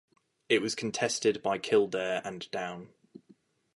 It was contested by Kildare and Down.